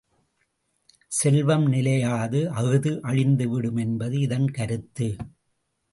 செல்வம் நிலையாது அஃது அழிந்துவிடும் என்பது இதன் கருத்து!